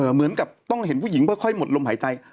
เหมือนกับต้องเห็นผู้หญิงค่อยหมดลมหายใจ